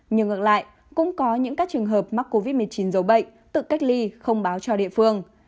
nhưng ngược lại cũng có những các trường hợp mắc covid một mươi chín dấu bệnh tự cách ly không báo cho địa phương